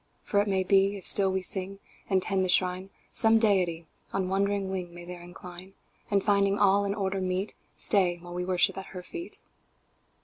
"For it may be, if still we sing And tend the Shrine, Some Deity on wandering wing May there incline; And, finding all in order meet, Stay while we worship at Her feet."